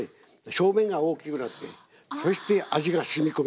表面が大きくなってそして味がしみ込みやすい。